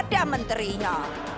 tidak ada menterinya